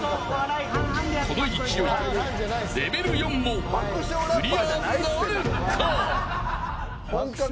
このうちレベル４もクリアなるか。